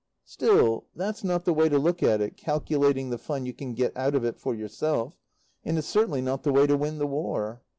Still, that's not the way to look at it, calculating the fun you can get out of it for yourself. And it's certainly not the way to win the War.